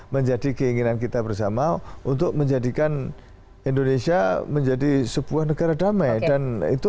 menjadi keinginan kita bersama untuk menjadikan indonesia menjadi sebuah negara damai dan itu